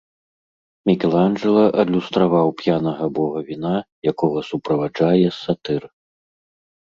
Мікеланджэла адлюстраваў п'янага бога віна, якога суправаджае сатыр.